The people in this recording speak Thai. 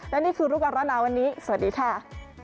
และนี่คือรูปการณ์หนาวันนี้สวัสดีค่ะ